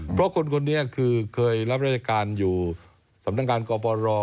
เพราะคนคนนี้คือเคยรับราชการอยู่สำนักงานกปร